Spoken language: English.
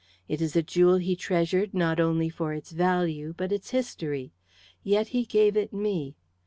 It is a jewel he treasured not only for its value, but its history. Yet he gave it me.